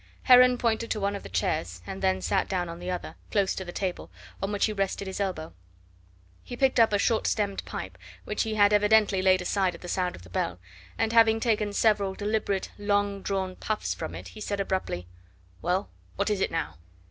Heron pointed to one of the chairs, and then sat down on the other, close to the table, on which he rested his elbow. He picked up a short stemmed pipe, which he had evidently laid aside at the sound of the bell, and having taken several deliberate long drawn puffs from it, he said abruptly: "Well, what is it now?"